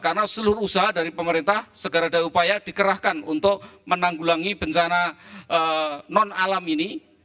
karena seluruh usaha dari pemerintah segera ada upaya dikerahkan untuk menanggulangi bencana non alam ini